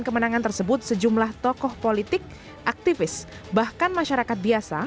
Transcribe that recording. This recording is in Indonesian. kemenangan tersebut sejumlah tokoh politik aktivis bahkan masyarakat biasa